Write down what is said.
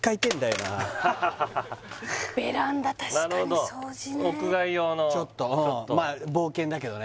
なるほど屋外用のまあ冒険だけどね